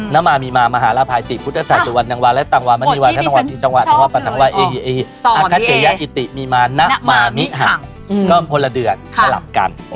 น้ำมามีมามหารพายติพุทธศัพท์สุวรรณวาลก็คนละเดือนฉลับกัน